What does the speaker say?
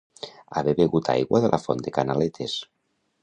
Haver begut aigua de la font de Canaletes.